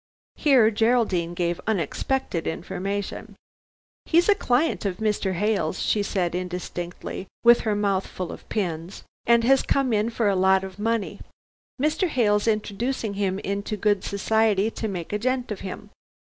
Here Geraldine gave unexpected information. "He's a client of Mr. Hale's," she said indistinctly, with her mouth full of pins, "and has come in for a lot of money. Mr. Hale's introducing him into good society, to make a gent of him."